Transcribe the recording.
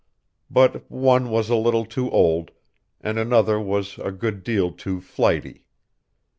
But one was a little too old, and another was a good deal too flighty.